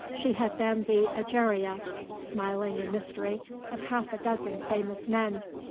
She had been the Egeria, smiling in mystery, of half a dozen famous men.